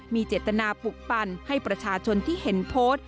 มีเจตนาปลุกปั่นให้ประชาชนที่เห็นโพสต์